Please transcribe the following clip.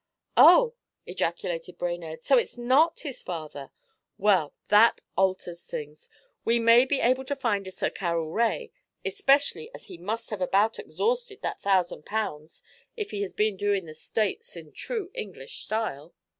"' 'Oh!' ejaculated Brainerd; 'so it's not his father. Well, that alters things. We may be able to find a Sir Carroll Rae, especially as he must have about exhausted that thousand pounds if he has been doing the States in true English style.'